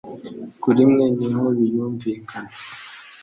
Kuri mwe niho biyu mvikana